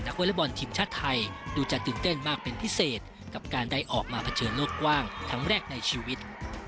วอเล็กบอลทีมชาติไทยดูจะตื่นเต้นมากเป็นพิเศษกับการได้ออกมาเผชิญโลกกว้างครั้งแรกในชีวิต